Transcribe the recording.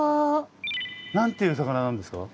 何ていう魚なんですか？